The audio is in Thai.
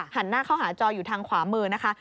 หันหน้าเข้าหาจออยู่ทางขวามือนะคะ